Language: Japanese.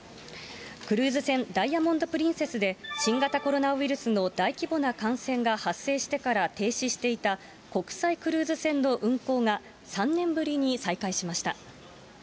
クルーズ船、ダイヤモンド・プリンセスで新型コロナウイルスの大規模な感染が発生してから停止していた国際クルーズ船の運航が３年ぶりに再開